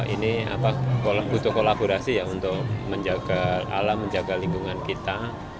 ini butuh kolaborasi ya untuk menjaga alam menjaga lingkungan kita